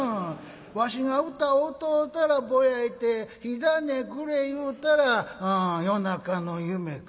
わしが唄歌うたらぼやいて火種くれ言うたら夜中の夢か。